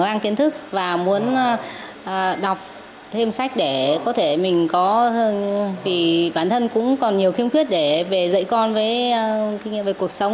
tôi đang kiến thức và muốn đọc thêm sách để có thể mình có vì bản thân cũng còn nhiều khiếm khuyết để về dạy con với kinh nghiệm về cuộc sống